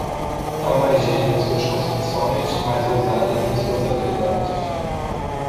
Há mais gênio em suas concepções, mais ousadas em suas habilidades.